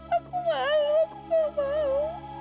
aku mau aku gak mau